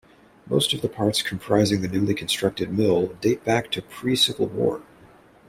Most of the parts comprising the newly constructed mill date back to pre-Civil War.